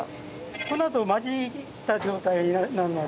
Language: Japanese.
粉と混じった状態になるまで。